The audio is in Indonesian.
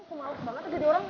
aku males banget jadi orang